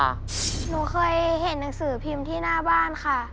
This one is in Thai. หนูเคยเห็นหนังสือพิมพ์ที่หน้าบ้านค่ะ